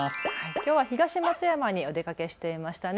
きょうは東松山にお出かけしていましたね。